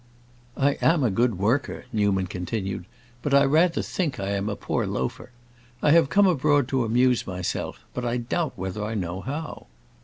"I am a good worker," Newman continued, "but I rather think I am a poor loafer. I have come abroad to amuse myself, but I doubt whether I know how."